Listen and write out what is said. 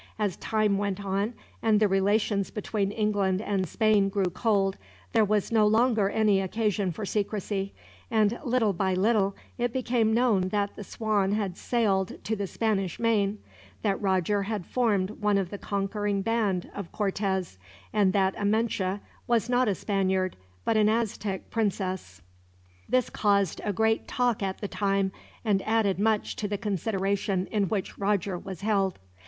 As time went on, and the relations between England and Spain grew cold, there was no longer any occasion for secrecy; and little by little it became known that the Swan had sailed to the Spanish main, that Roger had formed one of the conquering band of Cortez, and that Amenche was not a Spaniard but an Aztec Princess. This caused a great talk at the time, and added much to the consideration in which Roger was held.